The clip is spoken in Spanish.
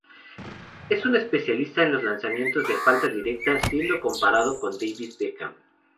Es un especialista en los lanzamientos de falta directa, siendo comparado con David Beckham.